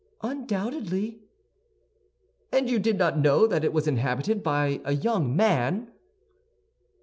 "Undoubtedly." "And you did not know that it was inhabited by a young man?"